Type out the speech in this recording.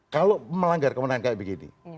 kalau melanggar kemenangan kayak begini